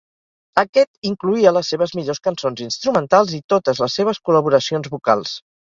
Aquest incloïa les seves millors cançons instrumentals i totes les seves col·laboracions vocals.